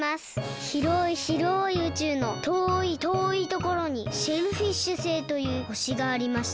ひろいひろい宇宙のとおいとおいところにシェルフィッシュ星というほしがありました。